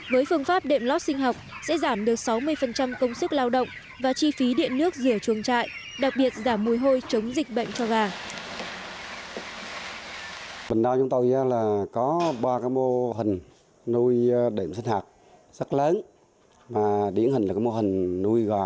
với phương pháp đệm lót sinh học sẽ giảm được sáu mươi công sức lao động và chi phí điện nước rìa chuồng trại đặc biệt giảm mùi hôi chống dịch bệnh cho gà